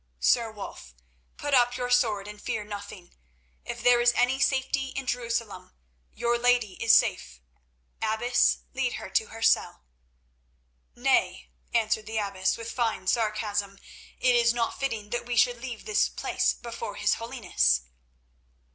Sir Wulf, put up your sword and fear nothing. If there is any safety in Jerusalem, your lady is safe. Abbess, lead her to her cell." "Nay," answered the abbess with fine sarcasm, "it is not fitting that we should leave this place before his Holiness."